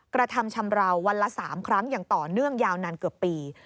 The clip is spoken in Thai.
กระทำชำราววันละ๓ครั้งอย่างต่อเนื่องยาวนานเกือบปี